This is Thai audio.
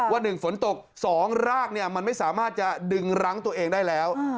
ว่าหนึ่งฝนตกสองรากเนี่ยมันไม่สามารถจะดึงรั้งตัวเองได้แล้ว